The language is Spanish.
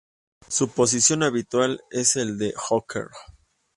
Su posición habitual es el de hooker.